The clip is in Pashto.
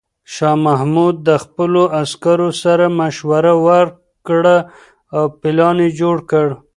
شاه محمود د خپلو عسکرو سره مشوره وکړه او پلان یې جوړ کړ.